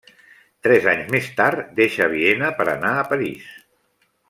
Tres anys més tard deixa Viena per anar París.